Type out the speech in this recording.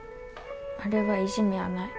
あれはいじめやない。